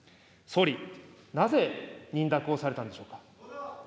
総理、なぜ認諾をされたんでしょうか。